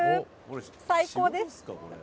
最高です。